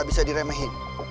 bisa di remehin